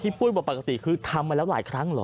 ปุ้ยบอกปกติคือทำมาแล้วหลายครั้งเหรอ